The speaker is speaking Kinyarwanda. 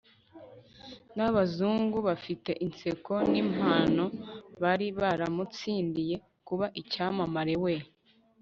n'abazungu bafite inseko n'impano, bari baramutsindiye kuba icyamamare. we